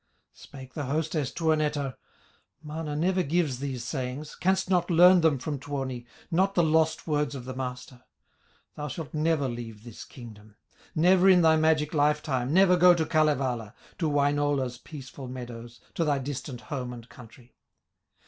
Spake the hostess, Tuonetar: "Mana never gives these sayings, Canst not learn them from Tuoni, Not the lost words of the Master; Thou shalt never leave this kingdom, Never in thy magic life time, Never go to Kalevala, To Wainola's peaceful meadows. To thy distant home and country."